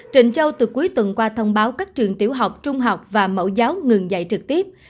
trịnh châu từ cuối tuần qua thông báo các trường tiểu học trung học và mẫu giáo ngừng dạy trực tiếp